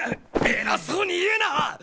偉そうに言うな！